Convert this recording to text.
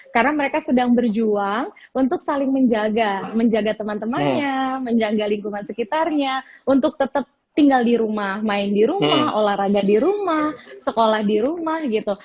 karena mereka sedang berjuang untuk saling menjaga menjaga teman temannya menjaga lingkungan sekitarnya untuk tetap tinggal di rumah main di rumah olahraga di rumah sekolah di rumah gitu